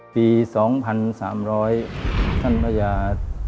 ปี๒๓๐๐ท่านพระยา